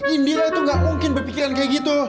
india itu gak mungkin berpikiran kayak gitu